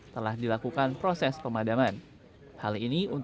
telah dilakukan proses pemadaman